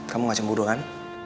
kamu gak cemburu kan